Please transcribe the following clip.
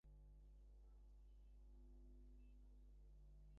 ফুটপাতের ওপর বিভিন্ন ফলের পসরা, কাটপিস কাপড়ের অস্থায়ী দোকান, ঠেলা গাড়িতে শাকসবজি।